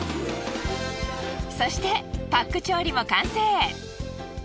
そしてパック調理も完成。